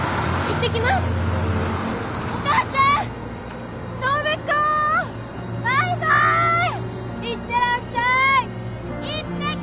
行ってらっしゃい！